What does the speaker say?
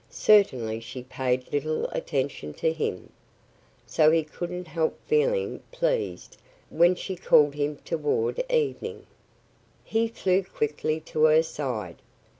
Certainly she paid little attention to him. So he couldn't help feeling pleased when she called to him toward evening. He flew quickly to her side.